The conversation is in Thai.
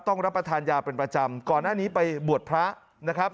รับประทานยาเป็นประจำก่อนหน้านี้ไปบวชพระนะครับ